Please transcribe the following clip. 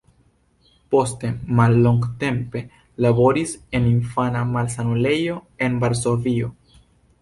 Poste mallongtempe laboris en infana malsanulejo en Varsovio.